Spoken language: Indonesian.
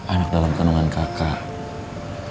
anak dalam kenungan kakak